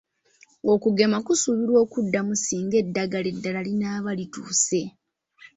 Okugema kusuubirwa okuddamu singa eddagala eddala linaaba lituuse.